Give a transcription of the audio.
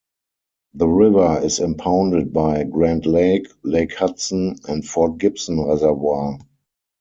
The river is impounded by Grand Lake, Lake Hudson, and Fort Gibson Reservoir.